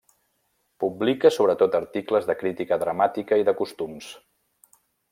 Publica sobretot articles de crítica dramàtica i de costums.